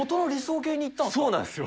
そうなんですよ。